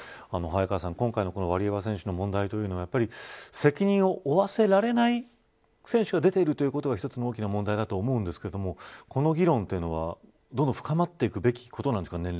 早川さん、今回のワリエワ選手の問題というのは責任を負わせられない選手が出ているということが一つの大きな問題だと思うんですがこの議論というのは、どんどん深まっていくべきことなんですか。